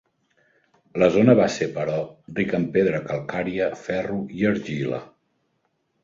La zona va ser, però, ric en pedra calcària, ferro i argila.